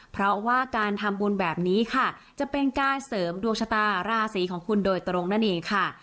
เพราะว่าการทำบุญแบบนี้ค่ะจะเป็นการเสริมดวงชะตาราศีของคุณโดยตรงนั่นเองค่ะ